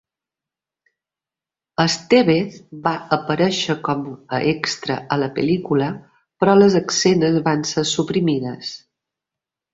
Estévez va aparèixer com a extra a la pel·lícula, però les escenes van ser suprimides.